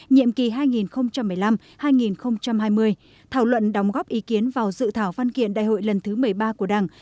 nhiệm kỳ hai nghìn một mươi năm hai nghìn hai mươi thảo luận đóng góp ý kiến vào dự thảo văn kiện đại hội lần thứ một mươi ba của đảng